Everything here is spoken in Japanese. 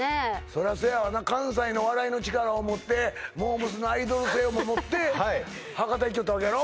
そらそやわな関西のお笑いの力を持ってモー娘。のアイドル性をも持って博多行きよったわけやろ？